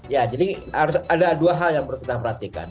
ya jadi ada dua hal yang perlu kita perhatikan